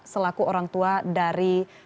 selaku orang tua dari